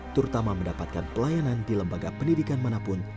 terutama mendapatkan pelayanan di lembaga pendidikan manapun